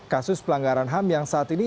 kasus pelanggaran ham yang saat ini